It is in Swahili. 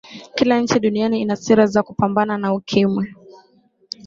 kila nchi duniani ina sera za kupambana na ukimwi